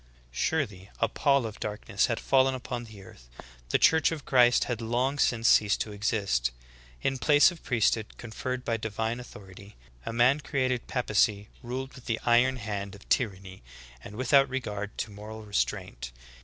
"« I 23. Surely a pall of darkness had fallen upon the earth. The Church of Christ had long since ceased to exist. In place of a priesthood conferred by divine authority, a man created papacy ruled with the iron hand of tyranny and without regard to moral restraint.